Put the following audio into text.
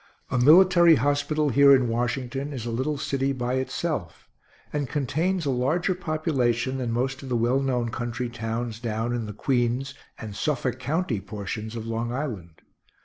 A military hospital here in Washington is a little city by itself, and contains a larger population than most of the well known country towns down in the Queens and Suffolk county portions of Long Island.